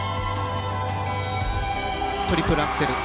トリプルアクセル。